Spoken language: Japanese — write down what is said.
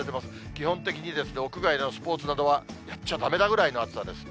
基本的に屋外でのスポーツなどはやっちゃだめだぐらいの暑さです。